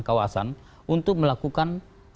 kawasan untuk melakukan